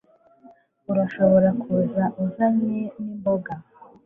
urashobora kuza uzanye nimboga